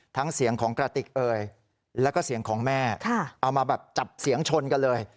เสียงของกระติกเอ่ยแล้วก็เสียงของแม่เอามาแบบจับเสียงชนกันเลย